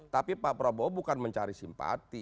tapi pak prabowo bukan mencari simpati